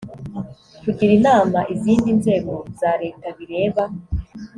kugira inama izindi nzego za leta bireba